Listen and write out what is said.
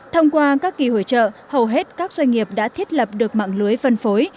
thông qua các kỳ hội trợ hầu hết các doanh nghiệp đã thiết lập được mạng lưới phân phối